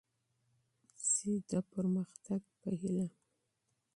چي د پرمختګ هیله لرئ.